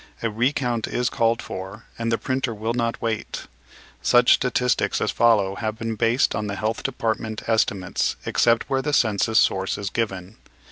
A re count is called for, and the printer will not wait. Such statistics as follow have been based on the Health Department estimates, escept where the census source is given.